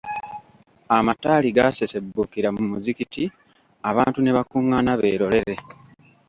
Amataali gaasessebbukira mu muzigiti abantu ne bakungaana beerolere.